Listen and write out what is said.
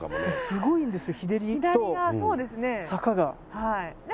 すごいんですよ。